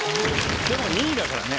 でも２位だからね。